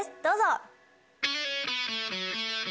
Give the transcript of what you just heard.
どうぞ！